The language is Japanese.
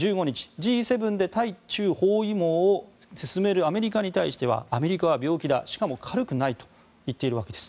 Ｇ７で対中国包囲網を進めるアメリカに対してはアメリカは病気だしかも軽くないと言っているわけです。